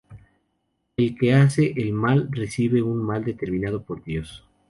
El que hace el mal recibe un mal determinado por Dios.